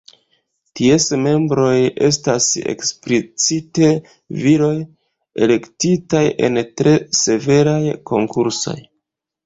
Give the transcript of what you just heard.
Ties membroj estas eksplicite viroj, elektitaj en tre severaj konkursoj.